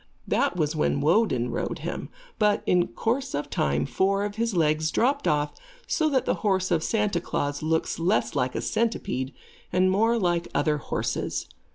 That was when Woden rode him, but, in course of time, four of his legs dropped off, so that the horse of Santa Klaas looks less like a centipede and more like other horses.